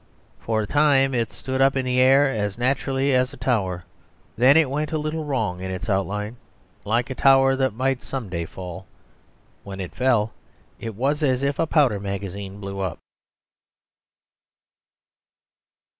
For a time it stood up in the air as naturally as a tower; then it went a little wrong in its outline, like a tower that might some day fall. When it fell it was as if a powder magazine blew up.